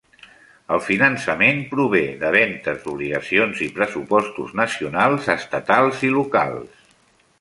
El finançament prové de ventes d'obligacions i pressupostos nacionals, estatals i locals.